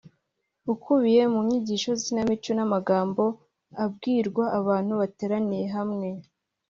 ukubiye mu nyigisho z’ikinamico n’amagambo abwirwa abantu bateraniye hamwe